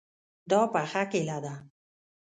دا پخه کیله ده